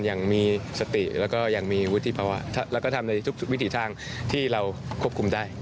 ยังมีสติแล้วก็ยังมีวุฒิภาวะแล้วก็ทำในทุกวิถีทางที่เราควบคุมได้